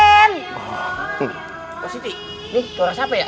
ini suara siapa ya